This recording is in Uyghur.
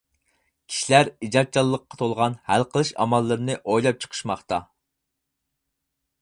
كىشىلەر ئىجادچانلىققا تولغان ھەل قىلىش ئاماللىرىنى ئويلاپ چىقىشماقتا.